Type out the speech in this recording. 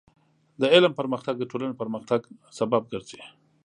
د علم پرمختګ د ټولنې پرمختګ سبب ګرځي.